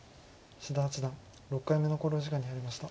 志田八段６回目の考慮時間に入りました。